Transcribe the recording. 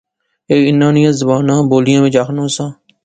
ایہھے انیں نیاں زباناں بولیا وچ آخنونا سا